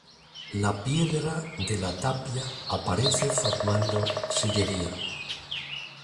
La piedra de la tapia aparece formando sillería.